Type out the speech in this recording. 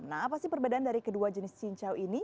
nah apa sih perbedaan dari kedua jenis cincau ini